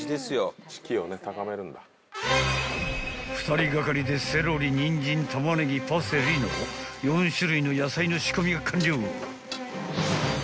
［２人がかりでセロリニンジンタマネギパセリの４種類の野菜の仕込みが完了］